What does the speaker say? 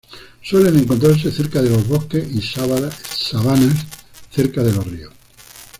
Suelen encontrarse cerca en los bosques y sabanas cerca de los ríos.